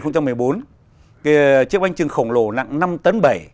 chiếc bánh trưng khổng lồ nặng năm tấn bảy